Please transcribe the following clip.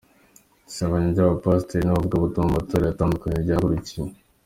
Isebanya ry’abapasiteri n’abavugabutumwa mu matorero atandukanye ryahagurukiwe